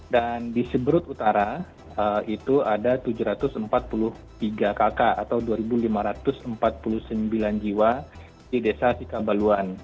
dan di seberut utara itu ada tujuh ratus empat puluh tiga kakak atau dua lima ratus empat puluh sembilan jiwa di desa sikabaluan